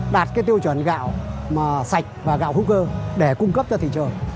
đạt cái tiêu chuẩn gạo sạch và gạo hữu cơ để cung cấp cho thị trường